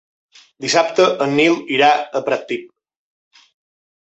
Dissabte en Nil irà a Pratdip.